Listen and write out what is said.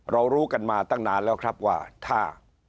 รู้กันมาตั้งนานแล้วครับว่าถ้า